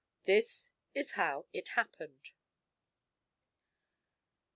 This is how it happened.